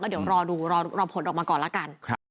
เดี๋ยวรอดูรอผลออกมาก่อนละกัน